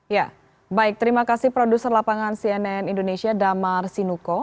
ya baik terima kasih produser lapangan cnn indonesia damar sinuko